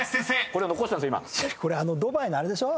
これ残したんすよ